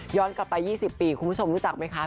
ย้อนกลับไปยี่สิบปีคุณผู้ชมรู้จักไหมคะ